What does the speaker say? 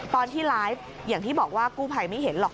ตอนที่ไลฟ์อย่างที่บอกว่ากู้ภัยไม่เห็นหรอก